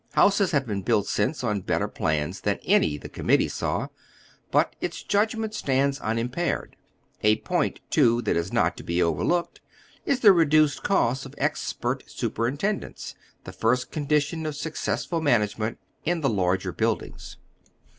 Houses have been built since on better plans than any the com mittee saw, but its judgment stands iinimpaired. A point, too, that is not to be overlooked, is the reduced cost of expert superintendence— the first condition of successful management — in the larger buildings.